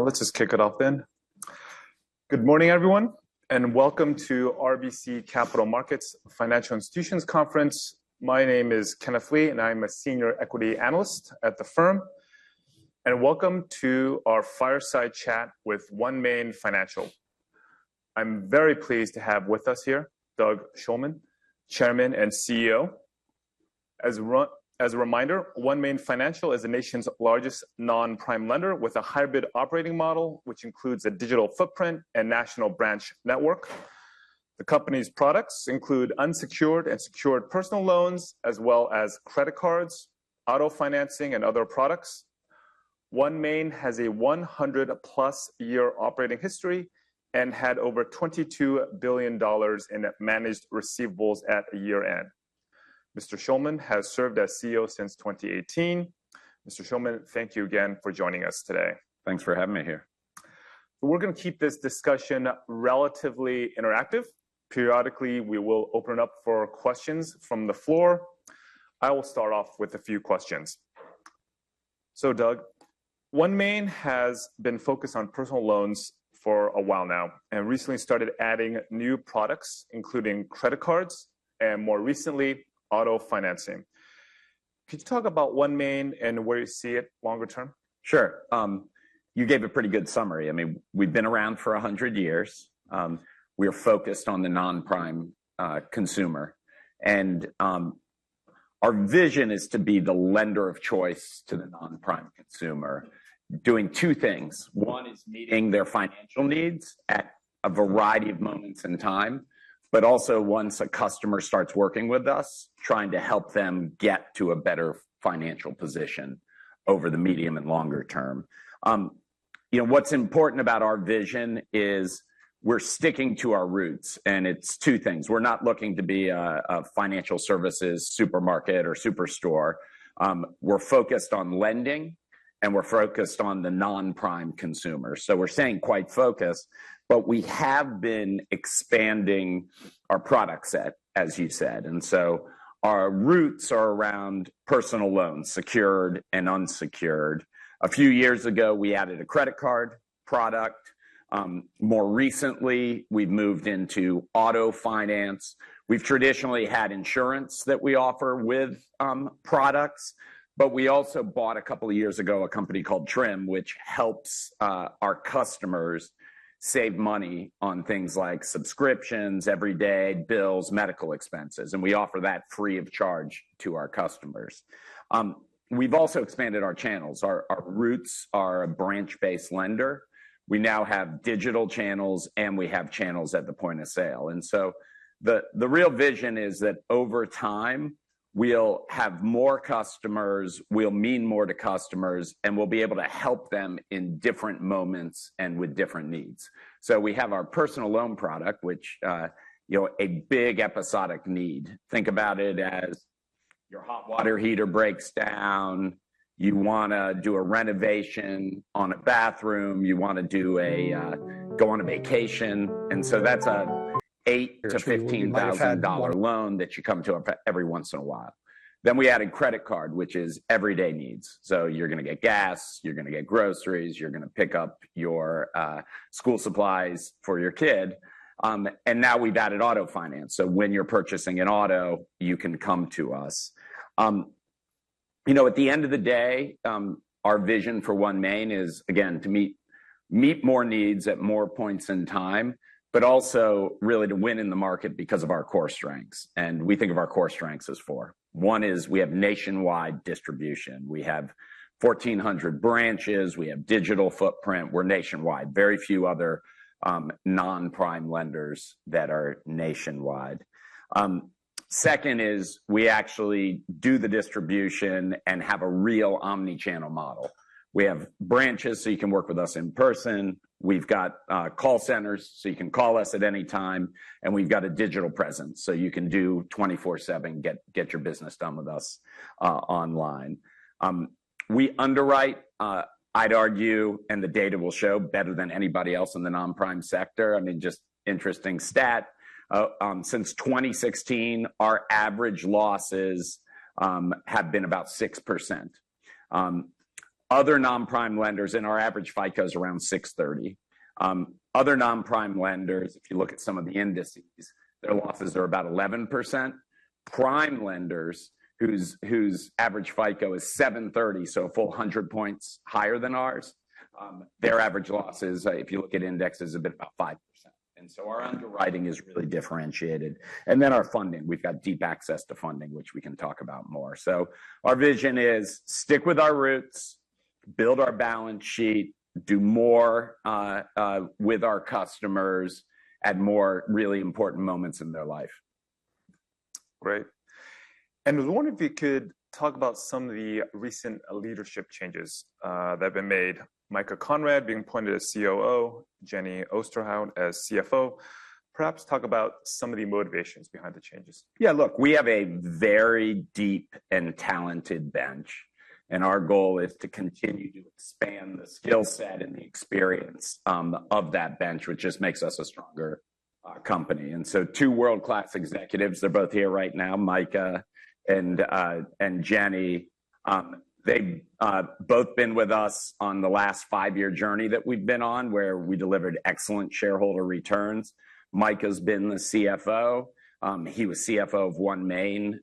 Let's just kick it off then. Good morning, everyone, and welcome to RBC Capital Markets Financial Institutions Conference. My name is Kenneth Lee, and I'm a Senior Equity Analyst at the firm. Welcome to our fireside chat with OneMain Financial. I'm very pleased to have with us here Doug Shulman, Chairman and CEO. As a reminder, OneMain Financial is the nation's largest non-prime lender with a hybrid operating model which includes a digital footprint and national branch network. The company's products include unsecured and secured personal loans, as well as credit cards, auto financing, and other products. OneMain has a 100-plus-year operating history and had over $22 billion in managed receivables at year-end. Mr. Shulman has served as CEO since 2018. Mr. Shulman, thank you again for joining us today. Thanks for having me here. We're going to keep this discussion relatively interactive. Periodically, we will open it up for questions from the floor. I will start off with a few questions. So, Doug, OneMain has been focused on personal loans for a while now and recently started adding new products including credit cards and, more recently, auto financing. Could you talk about OneMain and where you see it longer term? Sure. You gave a pretty good summary. I mean, we've been around for 100 years. We are focused on the non-prime consumer. Our vision is to be the lender of choice to the non-prime consumer, doing two things. One is meeting their financial needs at a variety of moments in time, but also once a customer starts working with us, trying to help them get to a better financial position over the medium and longer term. You know, what's important about our vision is we're sticking to our roots, and it's two things. We're not looking to be a financial services supermarket or superstore. We're focused on lending, and we're focused on the non-prime consumer. So we're saying quite focused, but we have been expanding our product set, as you said. And so our roots are around personal loans, secured and unsecured. A few years ago, we added a credit card product. More recently, we've moved into auto finance. We've traditionally had insurance that we offer with products, but we also bought a couple of years ago a company called Trim, which helps our customers save money on things like subscriptions, everyday bills, medical expenses, and we offer that free of charge to our customers. We've also expanded our channels. Our roots are a branch-based lender. We now have digital channels, and we have channels at the point of sale. And so the real vision is that over time, we'll have more customers, we'll mean more to customers, and we'll be able to help them in different moments and with different needs. So we have our personal loan product, which, you know, a big episodic need. Think about it as your hot water heater breaks down, you want to do a renovation on a bathroom, you want to go on a vacation. And so that's an $8,000-$15,000 loan that you come to every once in a while. Then we added credit card, which is everyday needs. So you're going to get gas, you're going to get groceries, you're going to pick up your school supplies for your kid. And now we've added auto finance. So when you're purchasing an auto, you can come to us. You know, at the end of the day, our vision for OneMain is, again, to meet more needs at more points in time, but also really to win in the market because of our core strengths. And we think of our core strengths as four. One is we have nationwide distribution. We have 1,400 branches, we have digital footprint. We're nationwide. Very few other non-prime lenders that are nationwide. Second is we actually do the distribution and have a real omnichannel model. We have branches so you can work with us in person. We've got call centers so you can call us at any time. And we've got a digital presence so you can do 24/7 get your business done with us online. We underwrite, I'd argue, and the data will show, better than anybody else in the non-prime sector. I mean, just interesting stat. Since 2016, our average losses have been about 6%. Other non-prime lenders, and our average FICO is around 630. Other non-prime lenders, if you look at some of the indices, their losses are about 11%. Prime lenders, whose average FICO is 730, so a full 100 points higher than ours, their average losses, if you look at indexes, have been about 5%. So our underwriting is really differentiated. Then our funding, we've got deep access to funding, which we can talk about more. Our vision is stick with our roots, build our balance sheet, do more with our customers at more really important moments in their life. Great. And I wonder if you could talk about some of the recent leadership changes that have been made. Micah Conrad being appointed as COO, Jenny Osterhout as CFO. Perhaps talk about some of the motivations behind the changes. Yeah, look, we have a very deep and talented bench, and our goal is to continue to expand the skill set and the experience of that bench, which just makes us a stronger company. So two world-class executives, they're both here right now, Micah and Jenny; they both been with us on the last five-year journey that we've been on where we delivered excellent shareholder returns. Micah's been the CFO. He was CFO of OneMain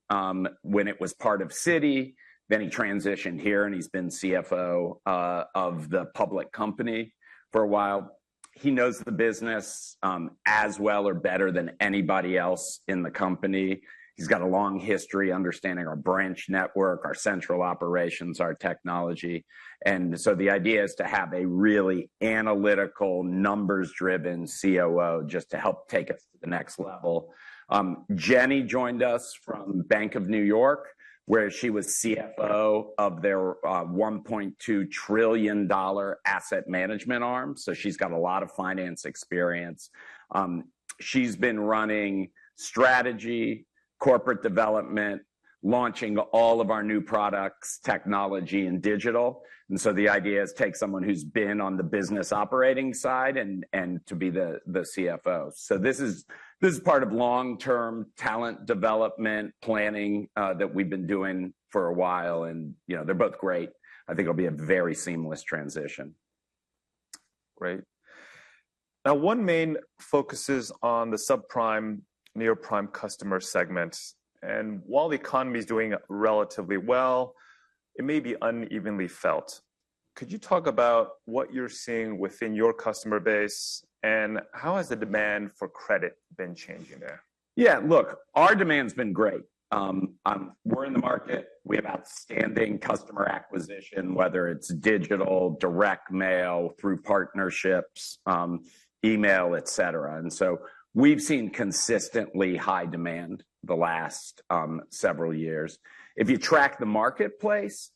when it was part of Citi. Then he transitioned here, and he's been CFO of the public company for a while. He knows the business as well or better than anybody else in the company. He's got a long history understanding our branch network, our central operations, our technology. And so the idea is to have a really analytical, numbers-driven COO just to help take us to the next level. Jenny joined us from Bank of New York, where she was CFO of their $1.2 trillion asset management arm. So she's got a lot of finance experience. She's been running strategy, corporate development, launching all of our new products, technology, and digital. And so the idea is to take someone who's been on the business operating side and to be the CFO. So this is part of long-term talent development planning that we've been doing for a while, and you know, they're both great. I think it'll be a very seamless transition. Great. Now, OneMain focuses on the subprime, near-prime customer segment. While the economy's doing relatively well, it may be unevenly felt. Could you talk about what you're seeing within your customer base and how has the demand for credit been changing there? Yeah, look, our demand's been great. We're in the market. We have outstanding customer acquisition, whether it's digital, direct mail through partnerships, email, etc. And so we've seen consistently high demand the last several years. If you track the marketplace,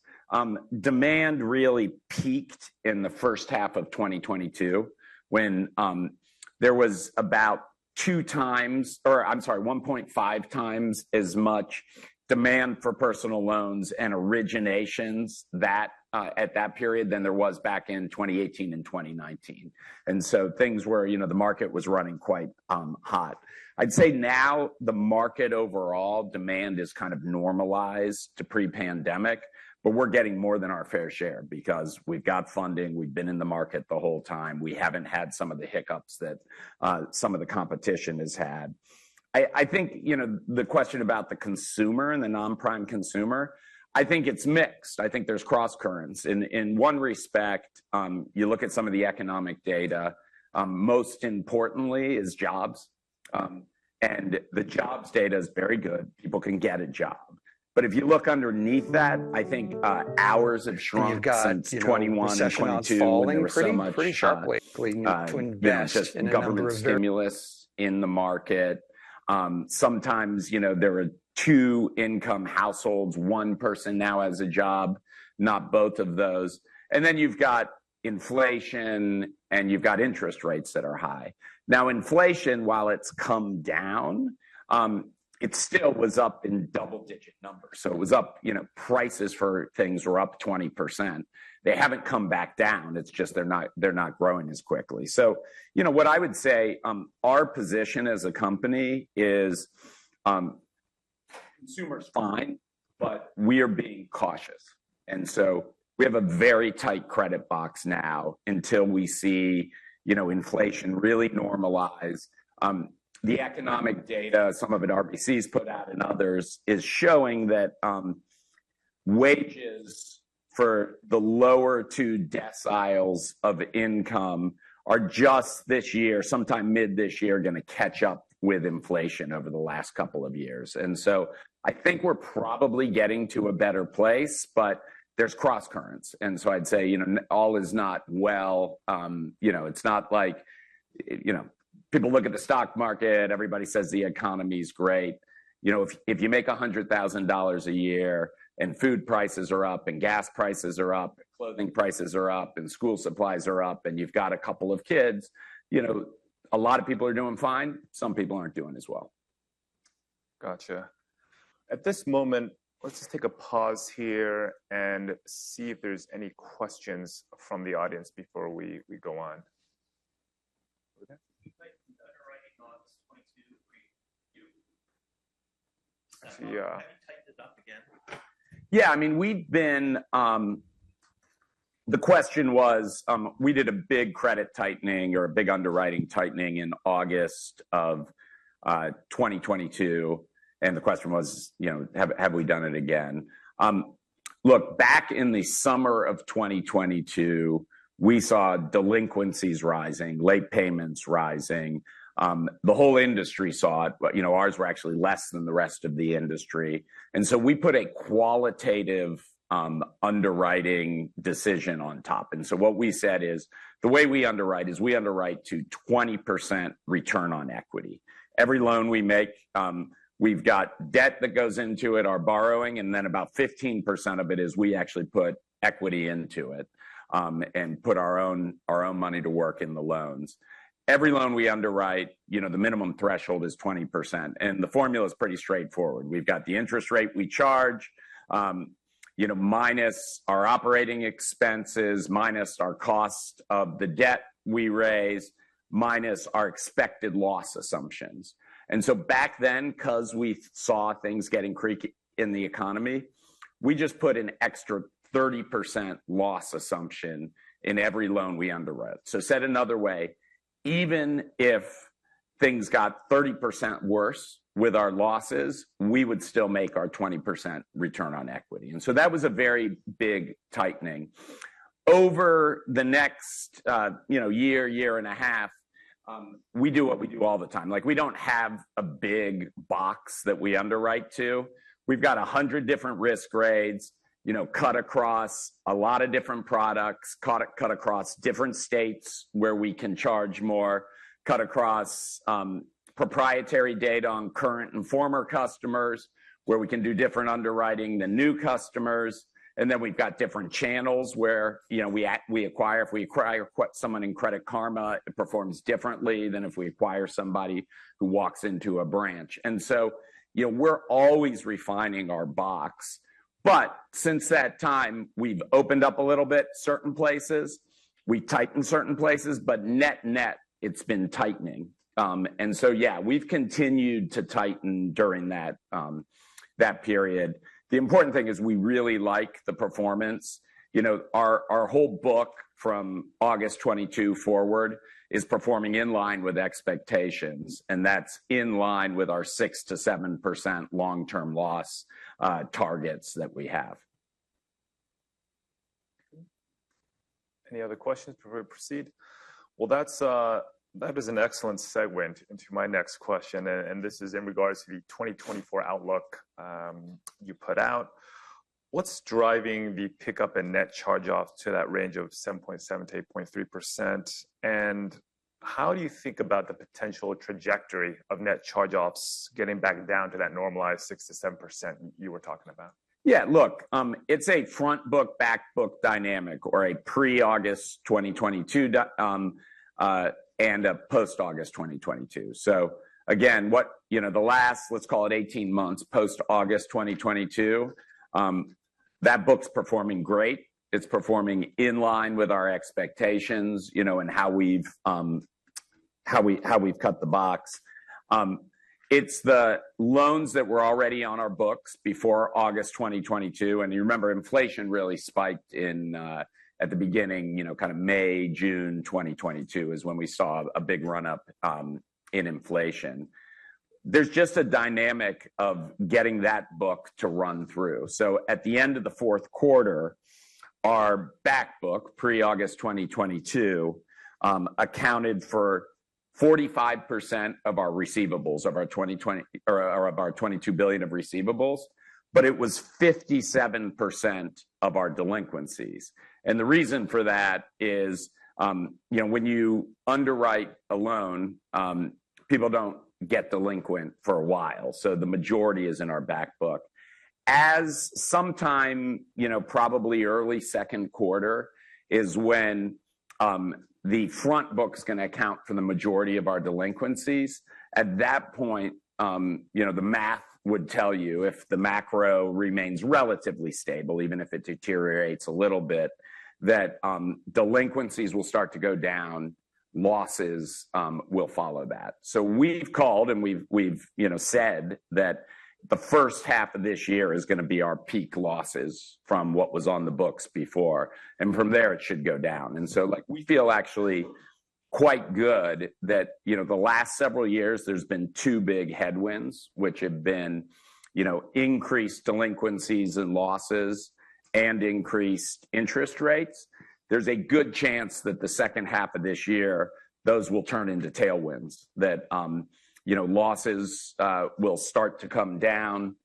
demand really peaked in the first half of 2022 when there was about 2 times or, I'm sorry, 1.5 times as much demand for personal loans and originations that at that period than there was back in 2018 and 2019. And so things were, you know, the market was running quite hot. I'd say now the market overall demand is kind of normalized to pre-pandemic, but we're getting more than our fair share because we've got funding, we've been in the market the whole time, we haven't had some of the hiccups that some of the competition has had. I think, you know, the question about the consumer and the non-prime consumer, I think it's mixed. I think there's cross-currents. In one respect, you look at some of the economic data, most importantly is jobs, and the jobs data is very good. People can get a job. But if you look underneath that, I think, hours have shrunk since 2021 and 2022. You've got falling pretty sharply. Yeah, just government stimulus in the market. Sometimes, you know, there are two income households, one person now has a job, not both of those. And then you've got inflation, and you've got interest rates that are high. Now, inflation, while it's come down, it still was up in double-digit numbers. So it was up, you know, prices for things were up 20%. They haven't come back down. It's just they're not, they're not growing as quickly. So, you know, what I would say, our position as a company is, consumer's fine, but we are being cautious. And so we have a very tight credit box now until we see, you know, inflation really normalize. The economic data, some of it RBC's put out and others, is showing that wages for the lower two deciles of income are just this year, sometime mid this year, going to catch up with inflation over the last couple of years. And so I think we're probably getting to a better place, but there's cross-currents. And so I'd say, you know, all is not well. You know, it's not like, you know, people look at the stock market, everybody says the economy's great. You know, if you make $100,000 a year and food prices are up and gas prices are up and clothing prices are up and school supplies are up and you've got a couple of kids, you know, a lot of people are doing fine. Some people aren't doing as well. Gotcha. At this moment, let's just take a pause here and see if there's any questions from the audience before we go on. Yeah. Have you tightened it up again? Yeah, I mean, the question was, we did a big credit tightening or a big underwriting tightening in August of 2022, and the question was, you know, have we done it again? Look, back in the summer of 2022, we saw delinquencies rising, late payments rising. The whole industry saw it, but, you know, ours were actually less than the rest of the industry. And so we put a qualitative underwriting decision on top. And so what we said is the way we underwrite is we underwrite to 20% return on equity. Every loan we make, we've got debt that goes into it, our borrowing, and then about 15% of it is we actually put equity into it, and put our own money to work in the loans. Every loan we underwrite, you know, the minimum threshold is 20%. And the formula's pretty straightforward. We've got the interest rate we charge, you know, minus our operating expenses, minus our cost of the debt we raise, minus our expected loss assumptions. So back then, because we saw things getting creaky in the economy, we just put an extra 30% loss assumption in every loan we underwrote. So said another way, even if things got 30% worse with our losses, we would still make our 20% return on equity. And so that was a very big tightening. Over the next, you know, year, year and a half, we do what we do all the time. Like, we don't have a big box that we underwrite to. We've got 100 different risk grades, you know, cut across a lot of different products, cut across different states where we can charge more, cut across proprietary data on current and former customers where we can do different underwriting than new customers. And then we've got different channels where, you know, we acquire, if we acquire someone in Credit Karma, it performs differently than if we acquire somebody who walks into a branch. And so, you know, we're always refining our box. But since that time, we've opened up a little bit certain places, we tighten certain places, but net-net, it's been tightening. And so, yeah, we've continued to tighten during that period. The important thing is we really like the performance. You know, our whole book from August 2022 forward is performing in line with expectations, and that's in line with our 6%-7% long-term loss targets that we have. Any other questions before we proceed? Well, that's, that is an excellent segue into my next question. And, and this is in regards to the 2024 outlook you put out. What's driving the pickup in net charge-off to that range of 7.7%-8.3%? And how do you think about the potential trajectory of net charge-offs getting back down to that normalized 6%-7% you were talking about? Yeah, look, it's a front book, back book dynamic or a pre-August 2022 and a post-August 2022. So again, you know, the last, let's call it 18 months post-August 2022, that book's performing great. It's performing in line with our expectations, you know, and how we've cut the box. It's the loans that were already on our books before August 2022. And you remember inflation really spiked in at the beginning, you know, kind of May, June 2022 is when we saw a big run-up in inflation. There's just a dynamic of getting that book to run through. So at the end of the fourth quarter, our back book, pre-August 2022, accounted for 45% of our receivables, of our $22 billion of receivables, but it was 57% of our delinquencies. The reason for that is, you know, when you underwrite a loan, people don't get delinquent for a while. So the majority is in our back book. At some time, you know, probably early second quarter is when the front book's going to account for the majority of our delinquencies. At that point, you know, the math would tell you if the macro remains relatively stable, even if it deteriorates a little bit, that delinquencies will start to go down, losses will follow that. So we've called and we've, you know, said that the first half of this year is going to be our peak losses from what was on the books before. And from there, it should go down. And so, like, we feel actually quite good that, you know, the last several years, there's been two big headwinds, which have been, you know, increased delinquencies and losses and increased interest rates. There's a good chance that the second half of this year, those will turn into tailwinds, that, you know, losses, will start to come down.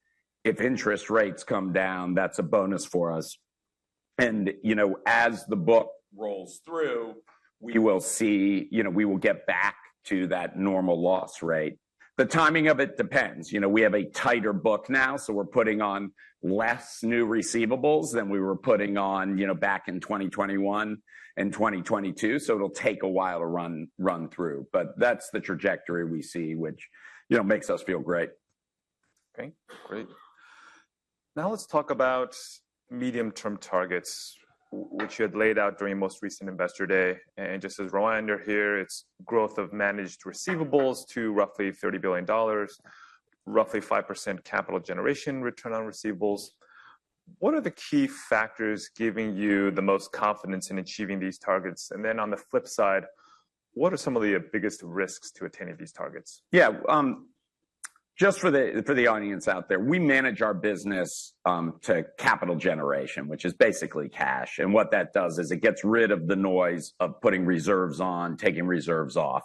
If interest rates come down, that's a bonus for us. And, you know, as the book rolls through, we will see, you know, we will get back to that normal loss rate. The timing of it depends. You know, we have a tighter book now, so we're putting on less new receivables than we were putting on, you know, back in 2021 and 2022. So it'll take a while to run through. But that's the trajectory we see, which, you know, makes us feel great. Okay. Great. Now let's talk about medium-term targets, which you had laid out during most recent Investor Day. And just as Rowan and you're here, it's growth of managed receivables to roughly $30 billion, roughly 5% Capital Generation return on receivables. What are the key factors giving you the most confidence in achieving these targets? And then on the flip side, what are some of the biggest risks to attaining these targets? Yeah, just for the audience out there, we manage our business to Capital Generation, which is basically cash. And what that does is it gets rid of the noise of putting reserves on, taking reserves off.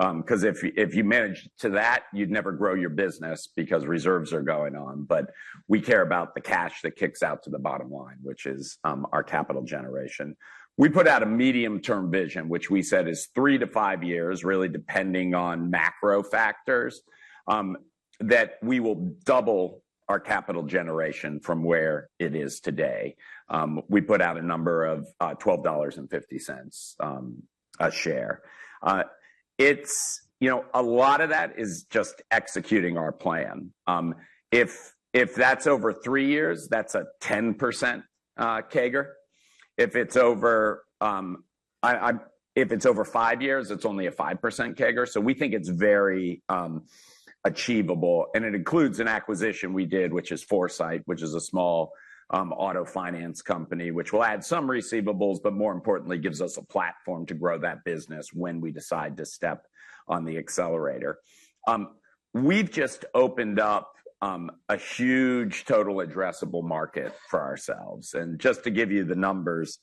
Because if you manage to that, you'd never grow your business because reserves are going on. But we care about the cash that kicks out to the bottom line, which is our Capital Generation. We put out a medium-term vision, which we said is 3-5 years, really depending on macro factors, that we will double our Capital Generation from where it is today. We put out a number of $12.50 a share. It's, you know, a lot of that is just executing our plan. If that's over 3 years, that's a 10% CAGR. If it's over five years, it's only a 5% CAGR. So we think it's very achievable. And it includes an acquisition we did, which is Foursight, which is a small auto finance company, which will add some receivables, but more importantly, gives us a platform to grow that business when we decide to step on the accelerator. We've just opened up a huge total addressable market for ourselves. And just to give you the numbers,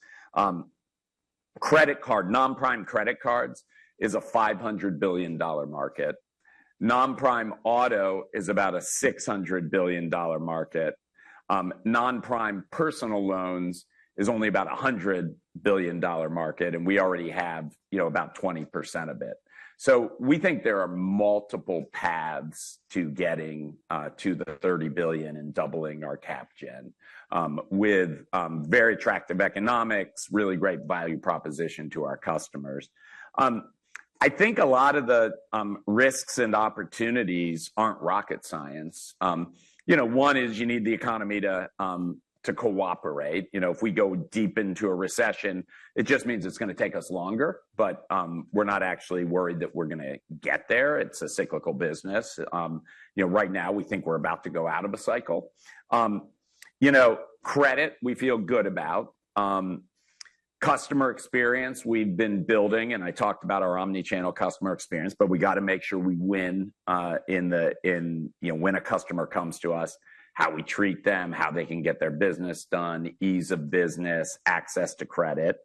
credit card non-prime credit cards is a $500 billion market. Non-prime auto is about a $600 billion market. Non-prime personal loans is only about a $100 billion market. And we already have, you know, about 20% of it. So we think there are multiple paths to getting to the $30 billion and doubling our Cap Gen with very attractive economics, really great value proposition to our customers. I think a lot of the risks and opportunities aren't rocket science. You know, one is you need the economy to cooperate. You know, if we go deep into a recession, it just means it's going to take us longer. But we're not actually worried that we're going to get there. It's a cyclical business. You know, right now, we think we're about to go out of a cycle. You know, credit, we feel good about. Customer experience, we've been building, and I talked about our omnichannel customer experience, but we got to make sure we win, you know, when a customer comes to us, how we treat them, how they can get their business done, ease of business, access to credit.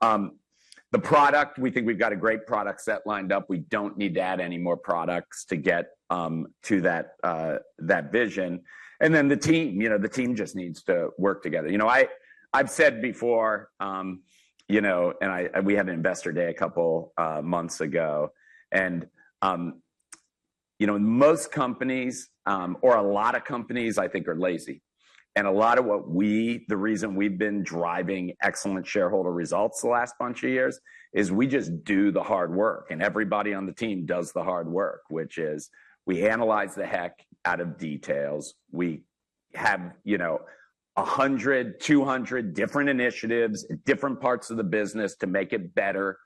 The product, we think we've got a great product set lined up. We don't need to add any more products to get to that vision. Then the team, you know, the team just needs to work together. You know, I’ve said before, you know, and we had an Investor Day a couple months ago. You know, most companies, or a lot of companies, I think, are lazy. A lot of what we, the reason we've been driving excellent shareholder results the last bunch of years is we just do the hard work. Everybody on the team does the hard work, which is we analyze the heck out of details. We have, you know, 100, 200 different initiatives in different parts of the business to make it better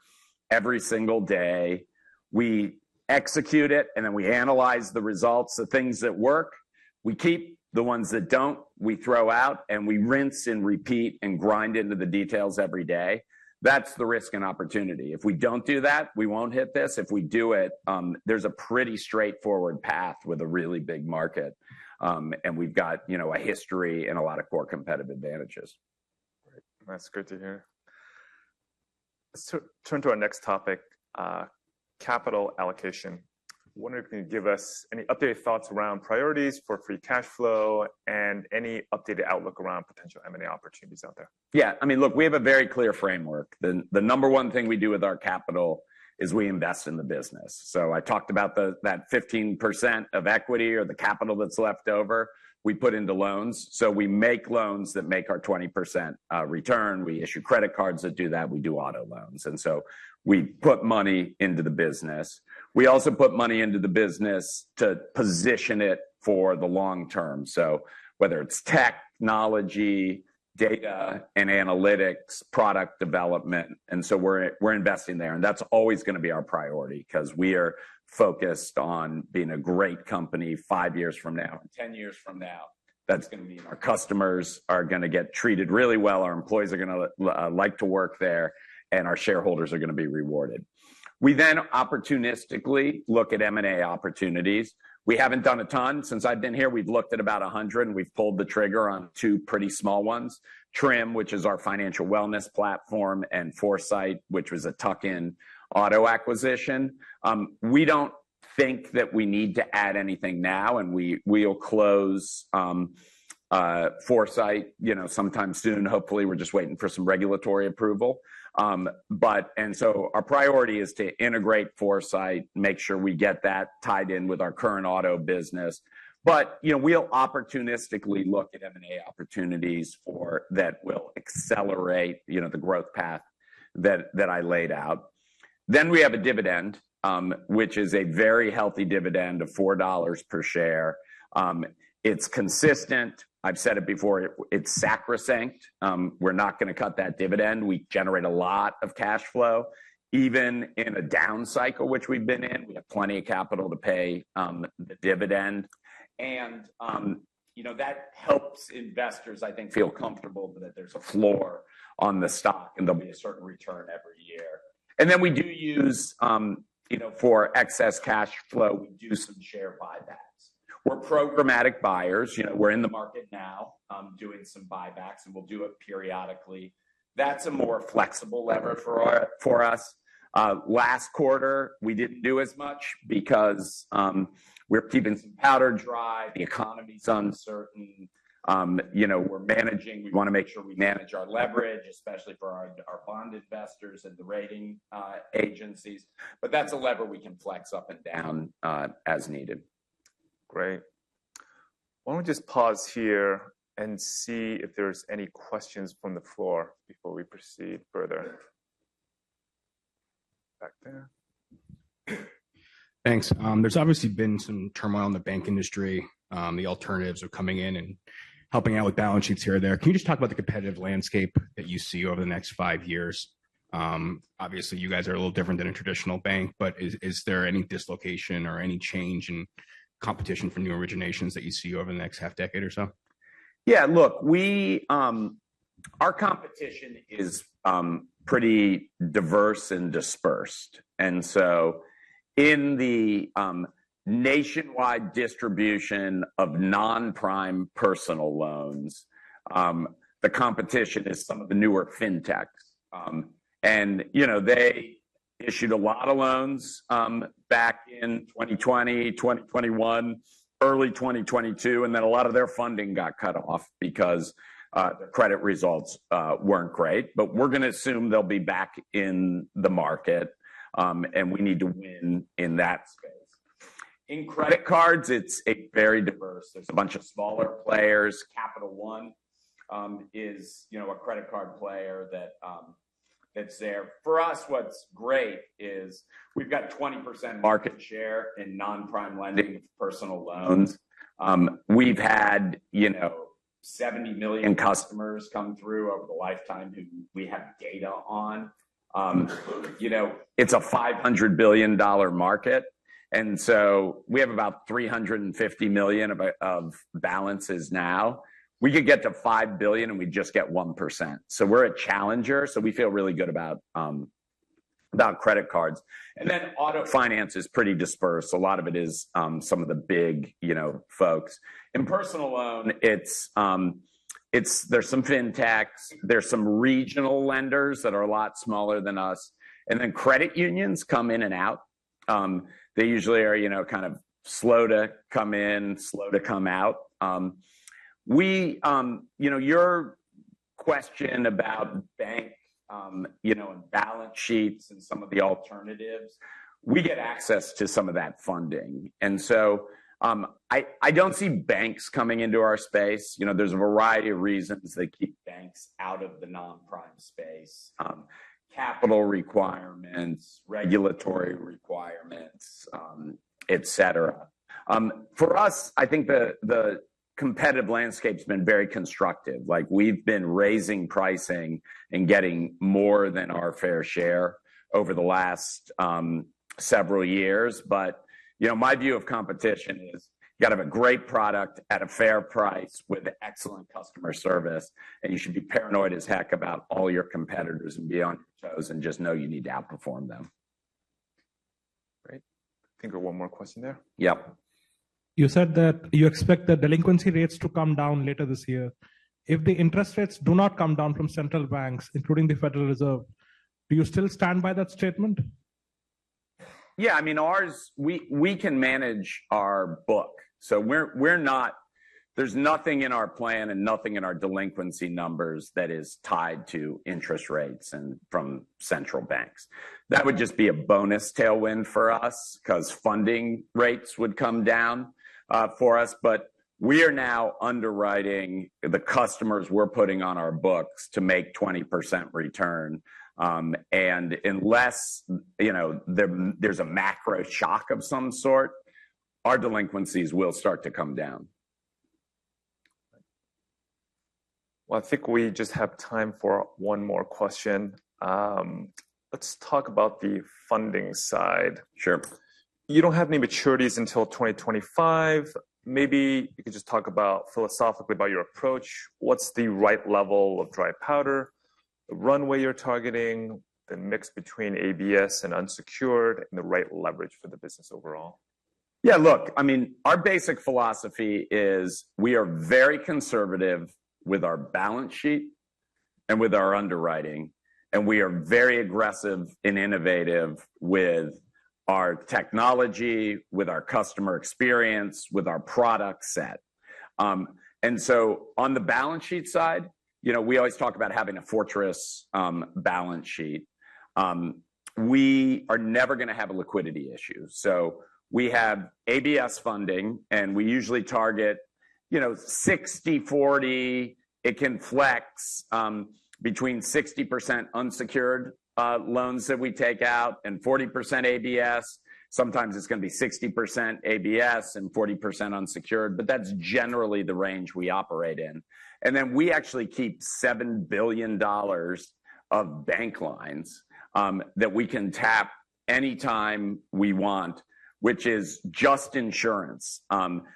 every single day. We execute it, and then we analyze the results, the things that work. We keep the ones that don't, we throw out, and we rinse and repeat and grind into the details every day. That's the risk and opportunity. If we don't do that, we won't hit this. If we do it, there's a pretty straightforward path with a really big market, and we've got, you know, a history and a lot of core competitive advantages. Great. That's good to hear. Let's turn to our next topic, capital allocation. I wonder if you can give us any updated thoughts around priorities for free cash flow and any updated outlook around potential M&A opportunities out there. Yeah. I mean, look, we have a very clear framework. The number one thing we do with our capital is we invest in the business. So I talked about the, that 15% of equity or the capital that's left over, we put into loans. So we make loans that make our 20% return. We issue credit cards that do that. We do auto loans. And so we put money into the business. We also put money into the business to position it for the long term. So whether it's technology, data, and analytics, product development, and so we're investing there. And that's always going to be our priority because we are focused on being a great company five years from now, 10 years from now. That's going to mean our customers are going to get treated really well. Our employees are going to like to work there, and our shareholders are going to be rewarded. We then opportunistically look at M&A opportunities. We haven't done a ton. Since I've been here, we've looked at about 100. We've pulled the trigger on two pretty small ones: Trim, which is our financial wellness platform, and Foursight, which was a tuck-in auto acquisition. We don't think that we need to add anything now, and we, we'll close Foursight, you know, sometime soon. Hopefully, we're just waiting for some regulatory approval. And so our priority is to integrate Foursight, make sure we get that tied in with our current auto business. But, you know, we'll opportunistically look at M&A opportunities for that will accelerate, you know, the growth path that, that I laid out. Then we have a dividend, which is a very healthy dividend of $4 per share. It's consistent. I've said it before. It's sacrosanct. We're not going to cut that dividend. We generate a lot of cash flow, even in a down cycle, which we've been in. We have plenty of capital to pay the dividend. And you know, that helps investors, I think, feel comfortable that there's a floor on the stock and there'll be a certain return every year. And then we do use you know, for excess cash flow, we do some share buybacks. We're programmatic buyers. You know, we're in the market now, doing some buybacks, and we'll do it periodically. That's a more flexible lever for our for us. Last quarter, we didn't do as much because we're keeping some powder dry. The economy's uncertain. You know, we're managing. We want to make sure we manage our leverage, especially for our our bond investors and the rating agencies. But that's a lever we can flex up and down, as needed. Great. Why don't we just pause here and see if there's any questions from the floor before we proceed further? Back there. Thanks. There's obviously been some turmoil in the bank industry. The alternatives are coming in and helping out with balance sheets here and there. Can you just talk about the competitive landscape that you see over the next five years? Obviously, you guys are a little different than a traditional bank, but is, is there any dislocation or any change in competition for new originations that you see over the next half-decade or so? Yeah. Look, our competition is pretty diverse and dispersed. So in the nationwide distribution of non-prime personal loans, the competition is some of the newer fintechs. And, you know, they issued a lot of loans back in 2020, 2021, early 2022, and then a lot of their funding got cut off because their credit results weren't great. But we're going to assume they'll be back in the market, and we need to win in that space. In credit cards, it's a very diverse. There's a bunch of smaller players. Capital One is, you know, a credit card player that's there. For us, what's great is we've got 20% market share in non-prime lending with personal loans. We've had, you know, 70 million customers come through over the lifetime who we have data on. You know, it's a $500 billion market. And so we have about $350 million of balances now. We could get to $5 billion, and we'd just get 1%. So we're a challenger. So we feel really good about credit cards. And then auto finance is pretty dispersed. A lot of it is some of the big, you know, folks. In personal loan, it's, there's some fintechs. There's some regional lenders that are a lot smaller than us. And then credit unions come in and out. They usually are, you know, kind of slow to come in, slow to come out. We, you know, your question about bank, you know, and balance sheets and some of the alternatives, we get access to some of that funding. And so, I don't see banks coming into our space. You know, there's a variety of reasons that keep banks out of the non-prime space: capital requirements, regulatory requirements, et cetera. For us, I think the competitive landscape's been very constructive. Like, we've been raising pricing and getting more than our fair share over the last several years. But, you know, my view of competition is you got to have a great product at a fair price with excellent customer service, and you should be paranoid as heck about all your competitors and be on your toes and just know you need to outperform them. Great. I think we're one more question there. Yep. You said that you expect the delinquency rates to come down later this year. If the interest rates do not come down from central banks, including the Federal Reserve, do you still stand by that statement? Yeah. I mean, ours, we, we can manage our book. So we're, we're not, there's nothing in our plan and nothing in our delinquency numbers that is tied to interest rates and from central banks. That would just be a bonus tailwind for us because funding rates would come down, for us. But we are now underwriting the customers we're putting on our books to make 20% return. And unless, you know, there's, there's a macro shock of some sort, our delinquencies will start to come down. Well, I think we just have time for one more question. Let's talk about the funding side. Sure. You don't have any maturities until 2025. Maybe you could just talk about, philosophically, about your approach. What's the right level of dry powder, the runway you're targeting, the mix between ABS and unsecured, and the right leverage for the business overall? Yeah. Look, I mean, our basic philosophy is we are very conservative with our balance sheet and with our underwriting. We are very aggressive and innovative with our technology, with our customer experience, with our product set. So on the balance sheet side, you know, we always talk about having a fortress balance sheet. We are never going to have a liquidity issue. So we have ABS funding, and we usually target, you know, 60/40. It can flex between 60% unsecured loans that we take out and 40% ABS. Sometimes it's going to be 60% ABS and 40% unsecured. But that's generally the range we operate in. And then we actually keep $7 billion of bank lines that we can tap anytime we want, which is just insurance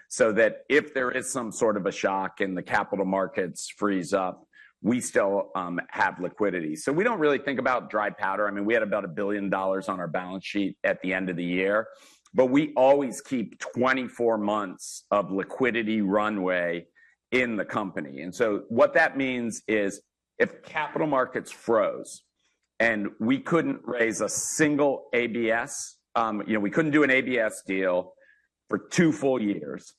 so that if there is some sort of a shock and the capital markets freeze up, we still have liquidity. So we don't really think about dry powder. I mean, we had about $1 billion on our balance sheet at the end of the year. But we always keep 24 months of liquidity runway in the company. And so what that means is if capital markets froze and we couldn't raise a single ABS, you know, we couldn't do an ABS deal for 2 full years,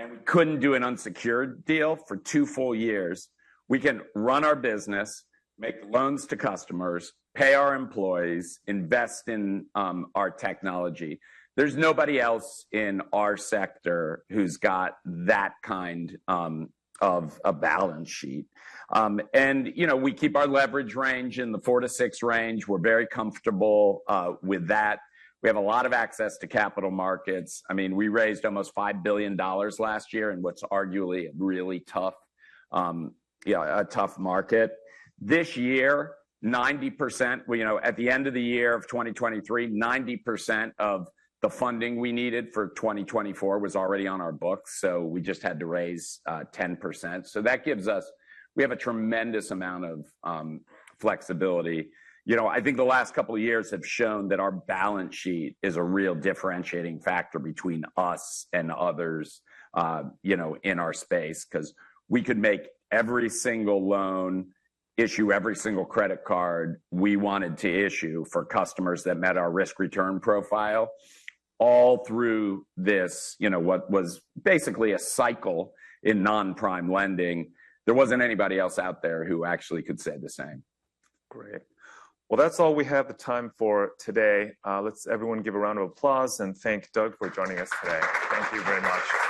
and we couldn't do an unsecured deal for 2 full years, we can run our business, make loans to customers, pay our employees, invest in our technology. There's nobody else in our sector who's got that kind of a balance sheet. And, you know, we keep our leverage range in the 4-6 range. We're very comfortable with that. We have a lot of access to capital markets. I mean, we raised almost $5 billion last year in what's arguably a really tough, you know, a tough market. This year, 90%, you know, at the end of the year of 2023, 90% of the funding we needed for 2024 was already on our books. So we just had to raise 10%. So that gives us, we have a tremendous amount of flexibility. You know, I think the last couple of years have shown that our balance sheet is a real differentiating factor between us and others, you know, in our space because we could make every single loan, issue every single credit card we wanted to issue for customers that met our risk return profile, all through this, you know, what was basically a cycle in non-prime lending. There wasn't anybody else out there who actually could say the same. Great. Well, that's all we have the time for today. Let's everyone give a round of applause and thank Doug for joining us today. Thank you very much.